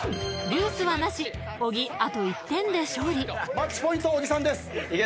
マッチポイントは小木さんです。